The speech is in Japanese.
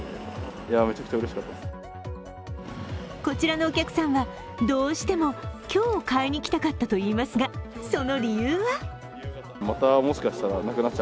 こちらのお客さんは、どうしても今日、買いに来たかったといいますが、その理由は？